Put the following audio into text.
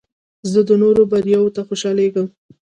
زه د نورو بریاوو ته خوشحالیږم.